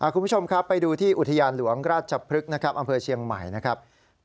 คุณผู้ชมครับไปดูที่อุทยานหลวงราชพฤกษ์นะครับอำเภอเชียงใหม่นะครับ